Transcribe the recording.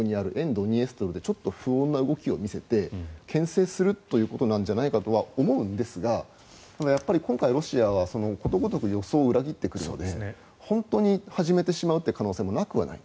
ドニエストル共和国にちょっと不穏な動きを見せてけん制するということなんじゃないかとは思うんですが今回、ロシアはことごとく予想を裏切ってくるので本当に始めてしまうという可能性もなくはない。